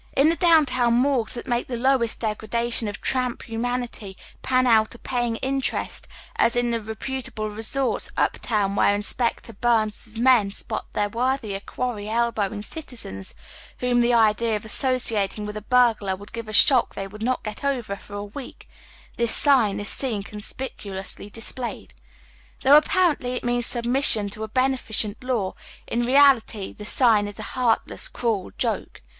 In the down town " morgues " tliat make the lowest degradation of tramp humanity pan out a paying interest, as in the " reputable resorts " uptown wliere In spector Byrncs's men spot their worthier quarry elbowing Giti_zen8 whom the idea of associating with a burglar would give a shock they would not get over for a week, this sign is seen conspicuously displayed. Though apparently it means submission to a beneficent law, in reality the sign is a heartless, cruel joke.